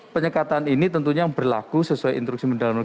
penyekatan ini tentunya berlaku sesuai instruksi mendalam